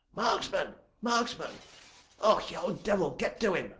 'MARKSMAN! MARKSMAN! _ough, ye old Divil, get to him!